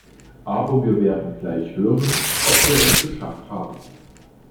Aber wir werden gleich hören, ob wir es geschafft haben.